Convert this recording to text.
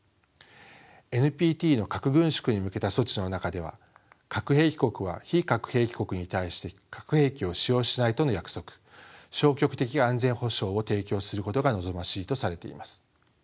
ＮＰＴの核軍縮に向けた措置の中では核兵器国は非核兵器国に対して核兵器を使用しないとの約束消極的安全保証を提供することが望ましいとされています。